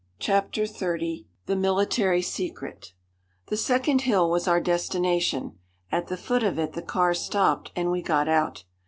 CHAPTER XXX THE MILITARY SECRET The second hill was our destination. At the foot of it the car stopped and we got out.